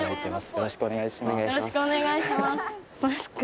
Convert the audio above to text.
よろしくお願いします